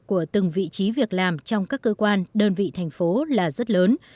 của từng vị trí việc làm trong các cơ quan đơn vị thành phố là rất lớn